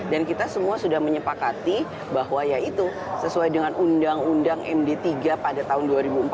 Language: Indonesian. dan kita semua sudah menyepakati bahwa ya itu sesuai dengan undang undang md tiga pada tahun dua ribu empat belas